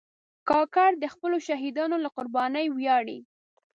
کاکړ د خپلو شهیدانو له قربانۍ ویاړي.